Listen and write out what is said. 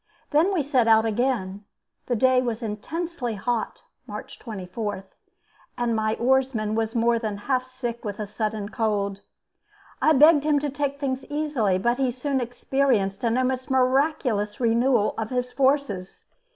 Then we set out again. The day was intensely hot (March 24), and my oarsman was more than half sick with a sudden cold. I begged him to take things easily, but he soon experienced an almost miraculous renewal of his forces.